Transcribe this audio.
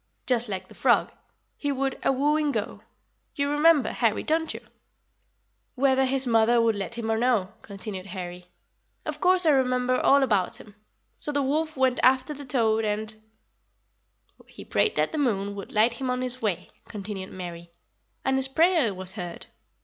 Just like the frog, 'he would a wooing go.' You remember, Harry, don't you?" "'Whether his mother would let him or no,'" continued Harry; "of course I remember all about him. So the wolf went after the toad and " "He prayed that the moon would light him on his way," continued Mary; "and his prayer was heard.